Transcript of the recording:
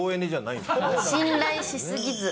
信頼し過ぎず。